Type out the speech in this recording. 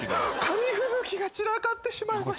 紙吹雪が散らかってしまいました。